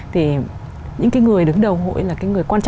thì những cái người đứng đầu hội